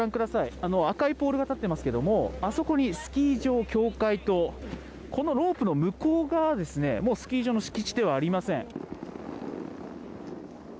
あの赤いポールが立っていますけれども、あそこにスキー場境界と、このロープの向こう側はもうスキー場の敷地ではありません。